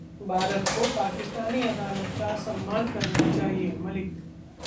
भारत को पाकिस्तानी अदालत का सम्मान करना चाहिए: मलिक